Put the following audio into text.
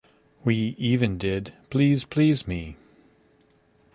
We even did Please Please Me.